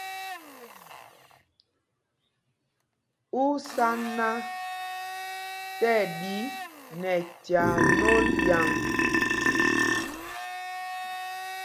Ú sá ná tí ɛɗi nɛ tyaa nôl ɗyaŋ ?